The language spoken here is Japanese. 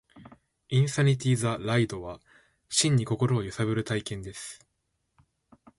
インサニティ・ザ・ライドは、真に心を揺さぶる体験です